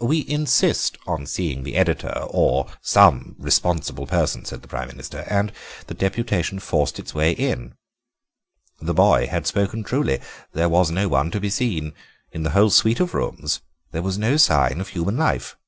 "'We insist on seeing the editor or some responsible person,' said the Prime Minister, and the deputation forced its way in. The boy had spoken truly; there was no one to be seen. In the whole suite of rooms there was no sign of human life.